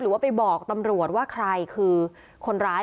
ว่าไปบอกตำรวจว่าใครคือคนร้าย